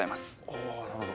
ああなるほど。